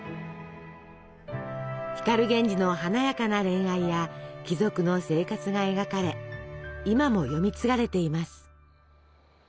光源氏の華やかな恋愛や貴族の生活が描かれ今も読み継がれています。